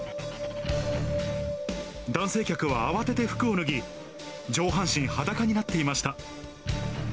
男性客は慌てて服を脱ぎ、上半身裸になっていました。